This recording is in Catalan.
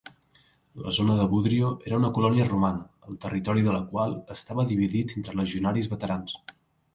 La zona de Budrio era una colònia romana, el territori de la qual estava dividit entre legionaris veterans.